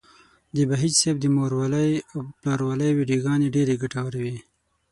د بهيج صاحب د مورولۍ او پلارولۍ ويډيوګانې ډېرې ګټورې وې.